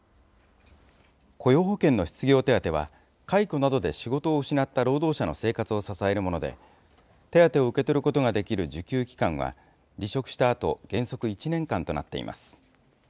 雇用保険の失業手当は、解雇などで仕事を失った労働者の生活を支えるもので、手当を受け取ることができる受給期間は、離職したあと、原則１年間となっています。